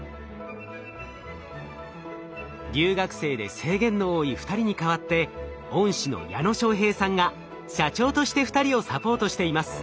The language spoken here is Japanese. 留学生で制限の多い２人に代わって恩師の矢野昌平さんが社長として２人をサポートしています。